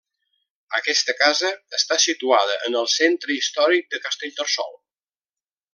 Aquesta casa està situada en el centre històric de Castellterçol.